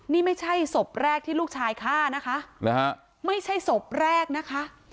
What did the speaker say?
นี่ไม่ใช่ศพแรกที่ลูกชายฆ่านะคะไม่ใช่ศพแรกนะคะ